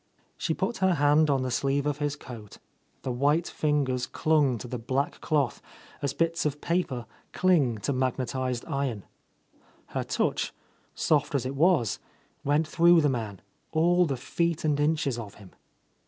She put her hand on the sleeve of his coat; the white fingers clung to the black cloth as bits of paper cling to magnetized iron. Her touch, soft as it was, went through the man, all the feet and inches of him.